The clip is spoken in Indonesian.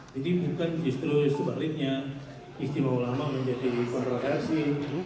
jadi bukan justru sebaliknya ijtima ulama menjadi kontroversi